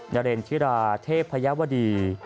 นเรนธิราเทพยาวดี